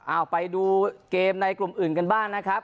เอาไปดูเกมในกลุ่มอื่นกันบ้างนะครับ